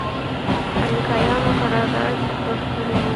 امریکایانو قرارداد ورکړی و.